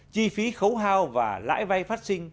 chi phí khấu hao và lãi pháp